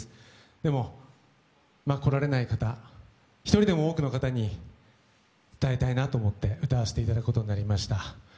でも来られない方、一人でも多くの方に伝えたいなと思って歌わせていただくことになりました。